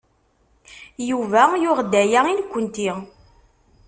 Yuba yuɣ-d aya i nekkenti.